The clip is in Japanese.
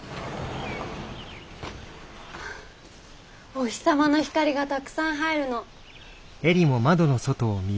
お日様の光がたくさん入るの。